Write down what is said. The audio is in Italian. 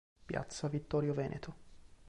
Piazza Vittorio Veneto